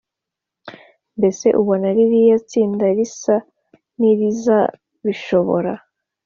mbese ubona ririya tsinda risa nirizabishobora